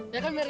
ya kan mer